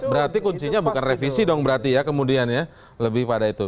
berarti kuncinya bukan revisi dong berarti ya kemudian ya lebih pada itu